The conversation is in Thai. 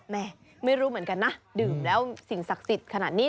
ไม่รู้เหมือนกันนะดื่มแล้วสิ่งศักดิ์สิทธิ์ขนาดนี้